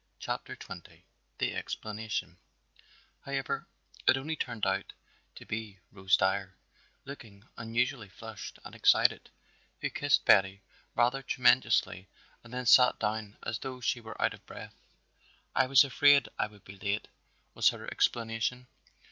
CHAPTER XX The Explanation However, it only turned out to be Rose Dyer, looking unusually flushed and excited, who kissed Betty rather tremulously and then sat down as though she were out of breath. "I was afraid I would be late," was her explanation.